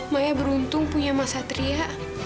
saya beruntung punya mas satria